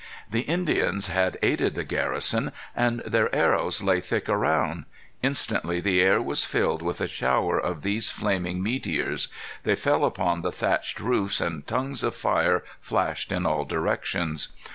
The Indians had aided the garrison, and their arrows lay thick around. Instantly the air was filled with a shower of these flaming meteors. They fell upon the thatched roofs, and tongues of fire flashed in all directions.